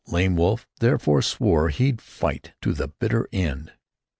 Lame Wolf, therefore, swore he'd fight to the bitter end.